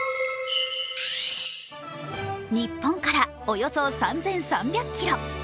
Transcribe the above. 日本からおよそ３３００ｋｍ。